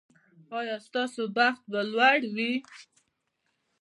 ایا ستاسو بخت به لوړ وي؟